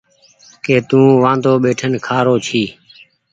ڪي تو وآندو ٻيٺين کآرو ڇي۔